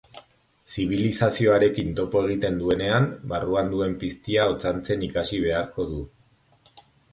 Zibilizazioarekin topo egiten duenean, barruan duen piztia otzantzen ikasi beharko du.